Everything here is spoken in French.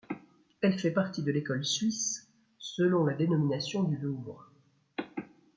Elle fait partie de l'école suisse selon la dénomination du Louvre.